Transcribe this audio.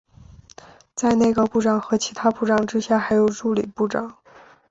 在内阁部长和其他部长之下还有助理部长。